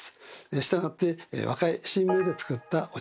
したがって若い新芽で作ったお茶。